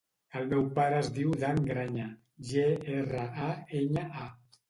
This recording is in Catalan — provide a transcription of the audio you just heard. El meu pare es diu Dan Graña: ge, erra, a, enya, a.